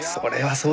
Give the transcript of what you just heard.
そう。